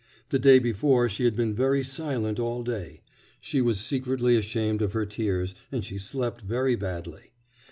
The day before she had been very silent all day; she was secretly ashamed of her tears, and she slept very badly.